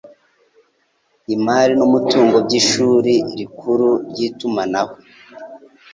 imari n umutungo by ishuri rikuru ry itumanaho